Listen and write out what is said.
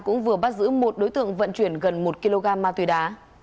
cũng vừa bắt giữ một đối tượng vận chuyển gần một kg ma túy đá